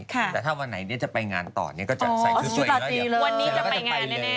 ค่ะแต่ถ้าวันไหนเนี่ยจะไปงานต่อเนี่ยก็จะใส่ชุดอีกแล้วเดี๋ยววันนี้จะไปงานแน่แน่